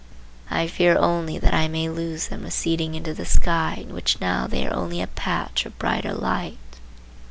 I fear only that I may lose them receding into the sky in which now they are only a patch of brighter light.